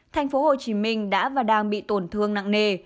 thành phố hồ chí minh đã và đang bị tổn thương nặng nề